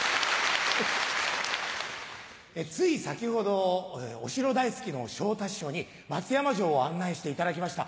つい先ほどお城大好きの昇太師匠に松山城を案内していただきました。